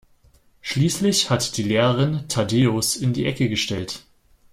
Schließlich hat die Lehrerin Thaddäus in die Ecke gestellt.